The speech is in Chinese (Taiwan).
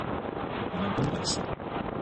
我們工管系的